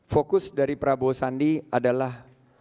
fokus dari prabowo sandi adalah